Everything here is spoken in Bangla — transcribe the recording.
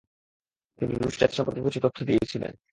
তিনি রুশ জাতি সম্পর্কে কিছু তথ্য দিয়েছিলেন।